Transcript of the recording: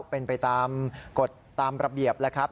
เป็นไปตามกฎตามระเบียบแล้วครับ